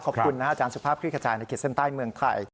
ขอบคุณนะอาจารย์สุภาพคลิกขจายในขีดเส้นใต้เมืองไทย